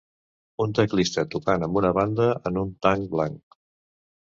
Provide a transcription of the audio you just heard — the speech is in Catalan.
Un teclista tocant amb una banda en un tanc blanc.